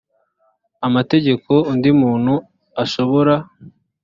amategeko undi muntu ashobora